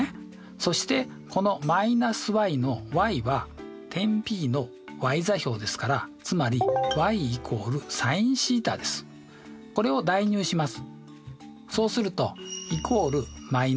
そしてこの−ｙのｙは点Ｐのｙ座標ですからつまりこれを代入します。